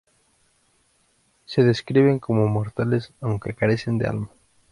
Se describen como mortales, aunque carecen de alma.